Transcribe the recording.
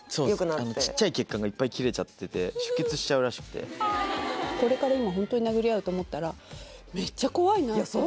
そうですちっちゃい血管がいっぱい切れちゃってて出血しちゃうらしくてこれから今ホントに殴り合うと思ったらめっちゃ怖いなって思っていや